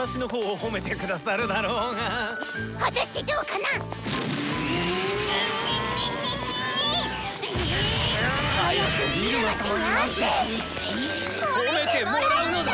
褒めてもらうんだ！